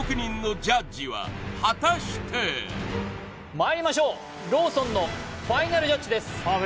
まいりましょうローソンのファイナルジャッジです